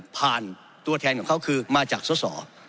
ผ่านตัวแทนของเขาคือมาจากส่วนส่อ